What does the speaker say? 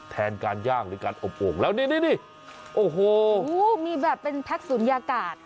แทนการย่างหรือการอบโอ่งแล้วนี่นี่โอ้โหมีแบบเป็นแพ็คศูนยากาศ